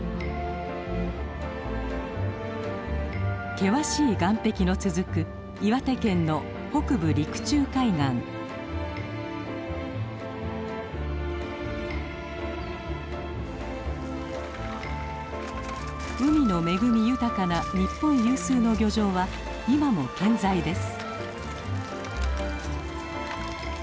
険しい岸壁の続く海の恵み豊かな日本有数の漁場は今も健在です。